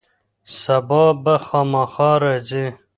سبا به خامخا راځي.